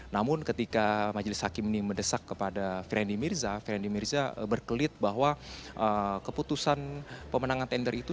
namun ketika majelis hakim ini mendesak kepada ferdi mirza ferdi mirza berkelit bahwa keputusan pemenangan tender itu